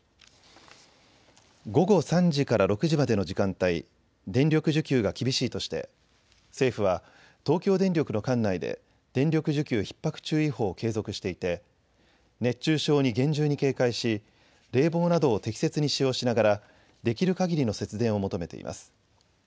午後３時から６時までの時間帯、電力需給が厳しいとして政府は東京電力の管内で電力需給ひっ迫注意報を継続していて熱中症に厳重に警戒し冷房などを適切に使用しながらできるかぎりの節電を求めています。